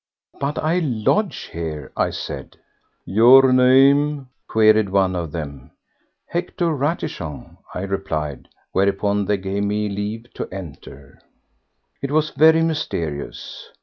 "But I lodge here," I said. "Your name?" queried one of the men. "Hector Ratichon," I replied. Whereupon they gave me leave to enter. It was very mysterious.